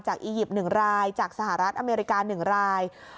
อียิปต์๑รายจากสหรัฐอเมริกา๑ราย